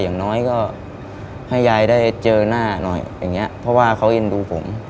อย่างน้อยก็ให้ยายได้เจอหน้าหน่อยอย่างเงี้ยเพราะว่าเขาเอ็นดูผม